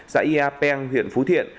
xã yia peng huyện phú thiện